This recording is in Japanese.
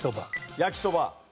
焼きそば。